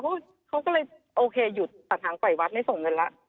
เขาก็อยู่ตอนทางกว่ายวัฒน์ไม่ส่งเงินละ